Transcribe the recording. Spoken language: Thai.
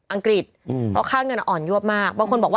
อังกฤษเพราะค่าเงินอ่อนยวบมาก